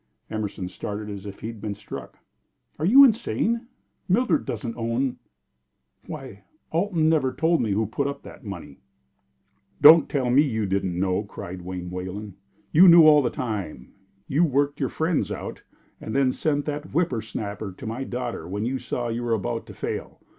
Emerson started as if he had been struck. "Are you insane? Mildred doesn't own Why, Alton never told me who put up that money!" "Don't tell me you didn't know!" cried Wayne Wayland. "You knew all the time. You worked your friends out, and then sent that whipper snapper to my daughter when you saw you were about to fail.